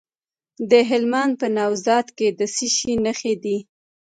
د هلمند په نوزاد کې د څه شي نښې دي؟